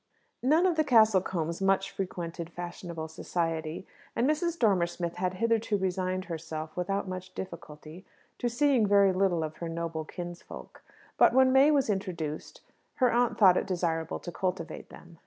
None of the Castlecombes much frequented fashionable society, and Mrs. Dormer Smith had hitherto resigned herself, without much difficulty, to seeing very little of her noble kinsfolk. But when May was introduced, her aunt thought it desirable to cultivate them.